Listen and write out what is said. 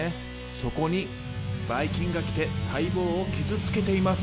そこにバイ菌が来て細胞を傷つけています。